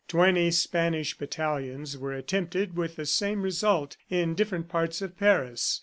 Twenty Spanish battalions were attempted with the same result in different parts of Paris.